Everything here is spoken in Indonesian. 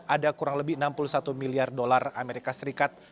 ada kurang lebih enam puluh satu miliar dolar amerika serikat